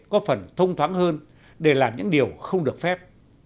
có phần thông thoáng hơn để làm những điều không được phép